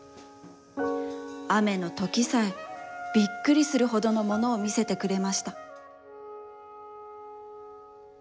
雨のときさえ、びっくりするほどのものをみせてくれました。